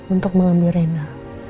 untuk mengambil rena